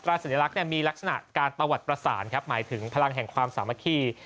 สัญลักษณ์มีลักษณะการประวัติประสานครับหมายถึงพลังแห่งความสามัคคี